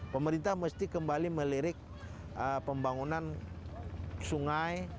pemerintah mesti kembali melirik pembangunan sungai